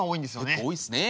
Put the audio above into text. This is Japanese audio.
結構多いですね。